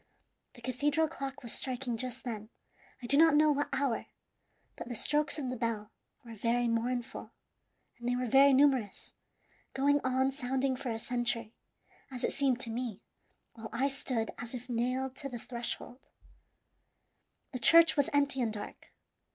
The cathedral clock was striking just then, I do not know what hour; but the strokes of the bell were very mournful, and they were very numerous going on sounding for a century, as it seemed to me, while I stood as if nailed to the threshold. "The church was empty and dark.